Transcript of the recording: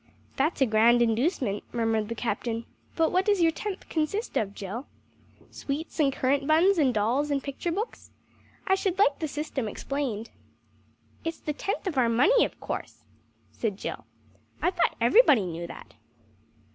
"That's a grand inducement," murmured the Captain, "but what does your tenth consist of, Jill? Sweets and currant buns, and dolls, and picture books? I should like the system explained." "It's the tenth of our money, of course," said Jill, "I thought everybody knew that."